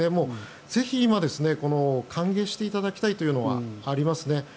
ぜひ今、歓迎していただきたいというのはありますね。